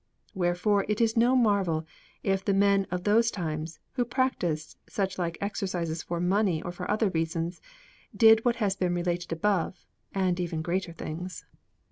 Wherefore it is no marvel if the men of those times, who practised suchlike exercises for money or for other reasons, did what has been related above, and even greater things.